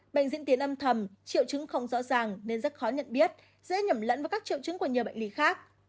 bệnh diễn tiến âm thầm triệu chứng không rõ ràng nên rất khó nhận biết dễ nhầm lẫn với các triệu chứng của nhiều bệnh lý khác